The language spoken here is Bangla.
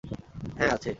হ্যাঁঁ, আছে।